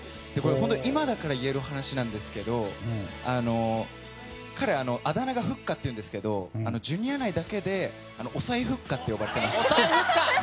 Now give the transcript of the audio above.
今だから言える話なんですけど彼、あだ名がふっかっていうんですけどジュニア内だけでおさいふっかって呼ばれてました。